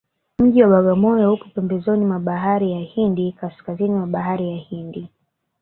mji wa bagamoyo upo pembezoni mwa bahari ya hindi kaskazini mwa bahari ya hindi